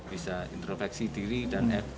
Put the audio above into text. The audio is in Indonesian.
bisa introveksi diri dan entusiastik